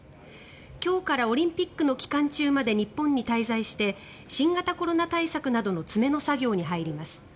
今日からオリンピックの期間中まで日本に滞在して新型コロナ対策などの詰めの作業に入ります。